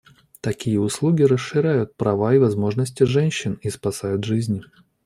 Такие услуги расширяют права и возможности женщин и спасают жизни.